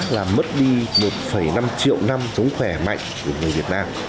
là mất đi một năm triệu năm sống khỏe mạnh của người việt nam